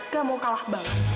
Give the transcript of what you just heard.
gak mau kalah banget